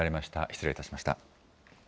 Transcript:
失礼いたしました。